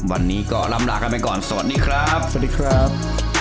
วันนี้ก็ลำลากันไปก่อนสวัสดีครับสวัสดีครับ